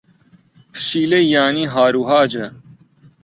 پشیلەی یانی ھاروھاجە.